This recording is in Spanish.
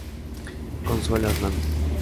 Consuelo Hernández.